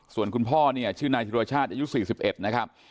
ส่วนคุณพ่อเนี่ยชื่อนายธิรชาติอายุ๔๑นะครับ